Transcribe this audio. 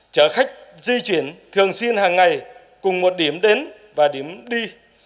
chở khách di chuyển thường xuyên hàng ngày cùng một điểm đến và điểm đi